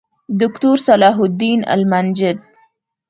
دوکتورصلاح الدین المنجد